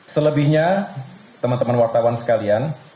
selebihnya teman teman wartawan sekalian